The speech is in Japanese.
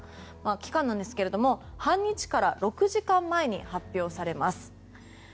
期間ですが、半日から６時間前に発表されます。